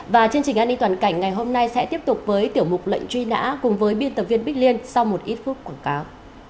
và chương trình an ninh toàn cảnh ngày hôm nay sẽ tiếp tục với tiểu mục lệnh truy nã cùng với biên tập viên bích liên sau một ít phút quảng cáo